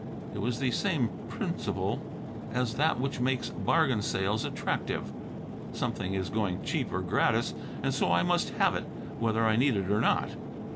It was the same principle as that which makes bargain sales attractive. Something is going cheap or gratis, and so I must have it, whether I need it or not.